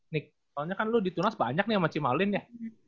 nek soalnya kan lu ditunas banyak nih sama ci marlin ya